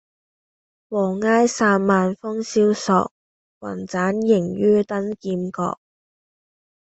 黃埃散漫風蕭索，云棧縈紆登劍閣。